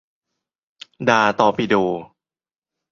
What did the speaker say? ดาตอร์ปิโด